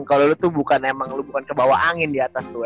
kalo lu tuh bukan emang lu bukan kebawah angin diatas tuh